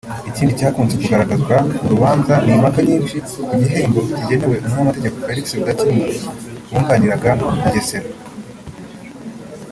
Ikindi cyakunze kugaragazwa mu rubanza ni impaka nyinshi ku gihembo kigenewe Umunyamategeko Felix Rudakemwa wunganiraga Mugesera